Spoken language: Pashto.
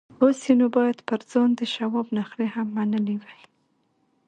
اوس یې نو باید پر ځان د شواب نخرې هم منلې وای